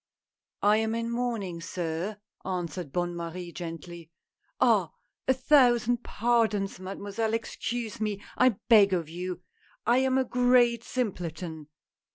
"I am in mourning, sir," answered Bonne Marie gently. " Ah ! a thousand pardons, mademoiselle, excuse me, I beg of you, I am a great simpleton